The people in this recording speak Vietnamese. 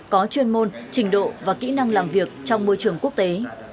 có chuyên môn trình độ và kỹ năng làm việc trong môi trường quốc tế